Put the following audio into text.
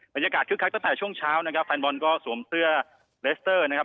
คึกคักตั้งแต่ช่วงเช้านะครับแฟนบอลก็สวมเสื้อเลสเตอร์นะครับ